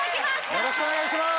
よろしくお願いします